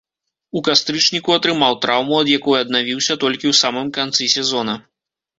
У кастрычніку атрымаў траўму, ад якой аднавіўся толькі ў самым канцы сезона.